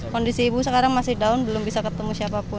kondisi ibu sekarang masih down belum bisa ketemu siapapun